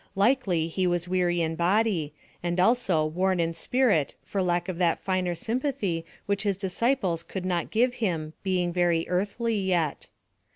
Likely he was weary in body, and also worn in spirit for lack of that finer sympathy which his disciples could not give him being very earthly yet.